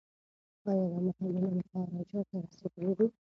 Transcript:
ایا دا مالونه مهاراجا ته رسیدلي دي؟